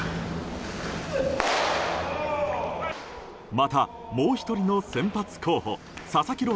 また、もう１人の先発候補佐々木朗